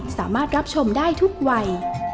สามารถรับชมได้ทุกวัย